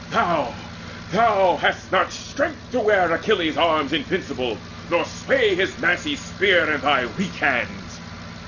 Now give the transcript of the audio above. Thou thou hast not strength To wear Achilles' arms invincible, Nor sway his massy spear in thy weak hands!